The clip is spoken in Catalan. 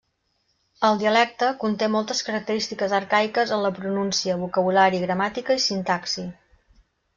El dialecte conté moltes característiques arcaiques en la pronúncia, vocabulari, gramàtica i sintaxi.